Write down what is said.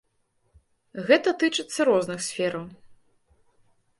Гэта тычыцца розных сфераў.